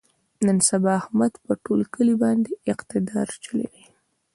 نن سبا احمد په ټول کلي باندې اقتدار چلوي.